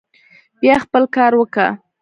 بيا خپل کار وکه.